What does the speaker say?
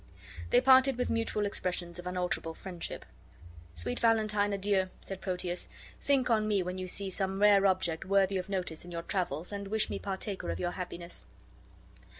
They parted with mutual expressions of unalterable friendship. "Sweet Valentine, adieu!" said Proteus. "Think on me when you see some rare object worthy of notice in your travels, and wish me partaker of your happiness."